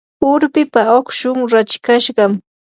urpipa ukshun rachikashqam.